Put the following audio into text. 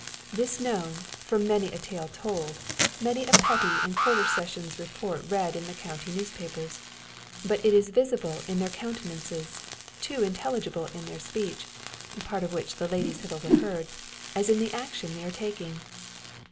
This known, from many a tale told, many a Petty and Quarter Sessions report read in the county newspapers. But it is visible in their countenances, too intelligible in their speech part of which the ladies have overheard as in the action they are taking.